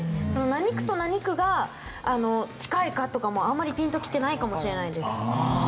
何区と何区が近いかとかもあんまりピンと来てないかもしれないです。